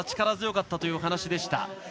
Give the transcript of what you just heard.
力強かったというお話でした。